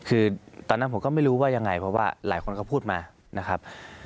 คือตอนนั้นผมก็ไม่รู้ว่ายังไงเพราะว่าหลายคนก็พูดมานะครับ